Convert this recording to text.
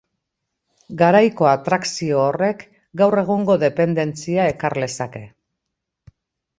Garaiko atrakzio horrek gaur egungo dependentzia ekar lezake.